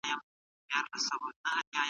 او خپل نوم ژوندی وساتي.